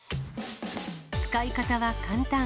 使い方は簡単。